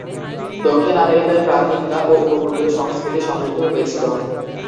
দক্ষিণ আমেরিকায় প্রাক-ইনকা ও উপকূলীয় সংস্কৃতি সমৃদ্ধ হয়েছিল।